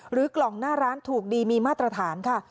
กล่องหน้าร้านถูกดีมีมาตรฐานค่ะ